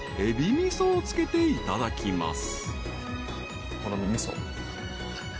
みそをつけていただきます］